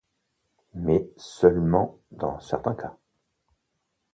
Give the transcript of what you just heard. Mais seulement dans certains cas.